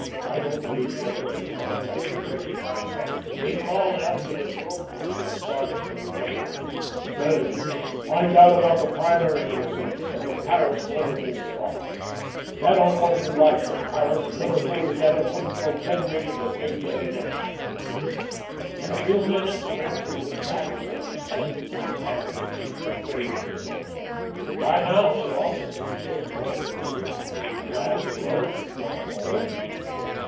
I don't believe the elevators are exactly bursting, and, say," he called after the broker, who had started for the front office, "say, find out about the primary receipts, and the Paris and Liverpool stocks. Bet you what you like that Paris and Liverpool together couldn't show ten million to save their necks." In a few moments Gretry was back again, his hands full of pamphlets and "trade" journals. By now the offices were quite deserted. The last clerk had gone home.